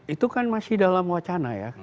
itu kan masih dalam wacana ya